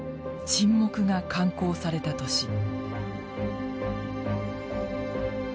「沈黙」が刊行された年。